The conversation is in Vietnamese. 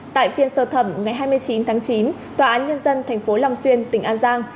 tại phiên sơ thẩm ngày hai mươi chín tháng chín tòa án nhân dân tp long xuyên tỉnh an giang